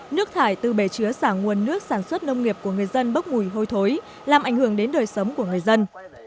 nước thải từ bể chứa xả nguồn nước sản xuất nông nghiệp của người dân bốc mùi hôi thối làm ảnh hưởng đến đời sống của người dân